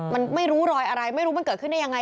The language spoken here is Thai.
มันไม่รู้รอยอะไรไม่รู้มันเกิดขึ้นได้ยังไง